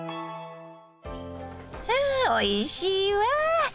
あおいしいわぁ。